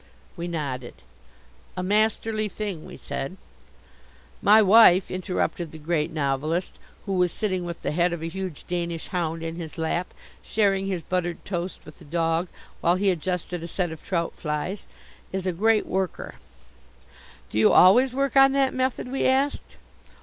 We nodded. "A masterly thing," we said. "My wife," interrupted the Great Novelist, who was sitting with the head of a huge Danish hound in his lap, sharing his buttered toast with the dog while he adjusted a set of trout flies, "is a great worker." "Do you always work on that method?" we asked.